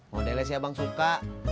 modelnya sih abang suka